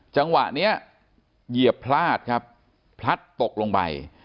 จังหวะนี้เหยียบพลาดครับพลัดตกลงไป